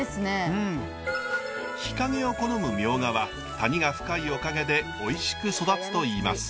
日陰を好むミョウガは谷が深いおかげでおいしく育つといいます。